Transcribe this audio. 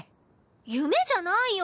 夢じゃないよ！